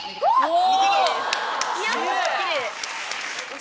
お！